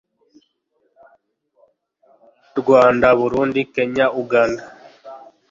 RWANDA BURUNDI KENYA UGANDA